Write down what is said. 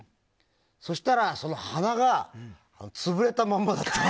そしたら鼻が潰れたままだったの。